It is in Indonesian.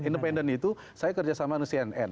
independen itu saya kerjasama dengan cnn